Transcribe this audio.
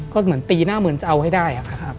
ก็เหมือนตีหน้าเหมือนจะเอาให้ได้